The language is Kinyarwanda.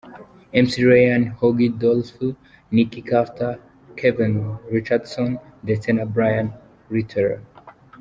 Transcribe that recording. McLean, Howie Dorough, Nick Carter, Kevin Richardson ndetse na Brian Littrell.